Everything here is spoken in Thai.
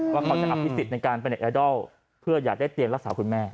ว่าเขาจะอภิษฎในการเป็นเน็ตไอดอลเพื่ออยากได้เตียงรักษาคุณแม่